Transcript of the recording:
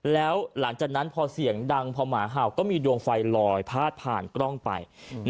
แล้วหลังจากนั้นพอเสียงดังพอหมาเห่าก็มีดวงไฟลอยพาดผ่านกล้องไป